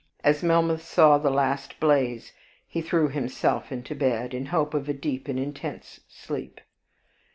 As Melmoth saw the last blaze, he threw himself into bed, in hope of a deep and intense sleep.